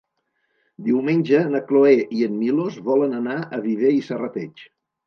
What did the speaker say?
Diumenge na Cloè i en Milos volen anar a Viver i Serrateix.